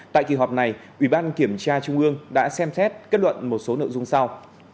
tại kỳ họp này ủy ban kiểm tra trung ương đã xem xét kết luận một số nội dung sau